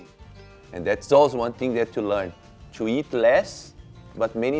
และนั่นคือสิ่งที่ต้องเรียน